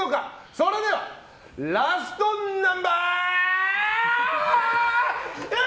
それではラストナンバー！